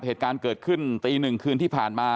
เหตุการณ์เกิดขึ้นตีหนึ่งคืนที่ผ่านมา